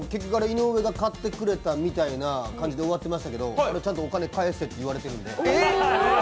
井上が買ってくれたみたいになってたけどあれちゃんとお金、返せって言われてるんで。